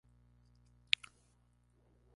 Wells nació en San Antonio, Texas.